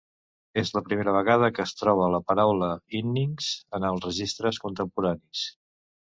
És la primera vegada que es troba la paraula "innings" en els registres contemporanis.